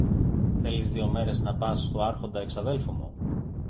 Θέλεις δυο μέρες να πας στου Άρχοντα εξαδέλφου μου;